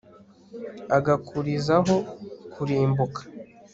agakurizaho kurimbuka